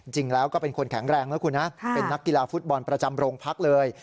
จริงแล้วก็เป็นคนแข็งแรงนะคุณนะเป็นนักกีฬาฟุตบอลประจำโรงพักเลย